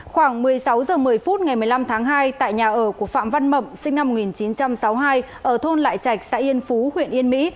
khoảng một mươi sáu h một mươi phút ngày một mươi năm tháng hai tại nhà ở của phạm văn mậm sinh năm một nghìn chín trăm sáu mươi hai ở thôn lại trạch xã yên phú huyện yên mỹ